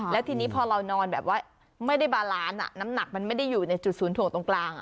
แล้วทีนี้พอเรานอนแบบว่าไม่ได้บาลานซ์น้ำหนักมันไม่ได้อยู่ในจุดศูนย์ถ่วงตรงกลาง